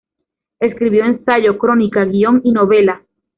Escribió ensayo, crónica, guion y novela.